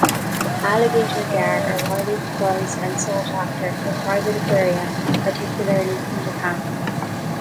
Alligator gar are highly prized and sought after for private aquaria, particularly in Japan.